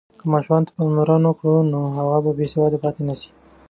که ماشوم ته پاملرنه وکړو، نو هغه به بېسواده پاتې نه سي.